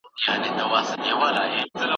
شاګرد ته خپلواکي ورکړه.